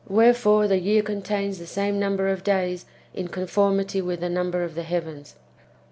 ^ Wherefore the year contains the same number of days in conformity with the number of the heavens.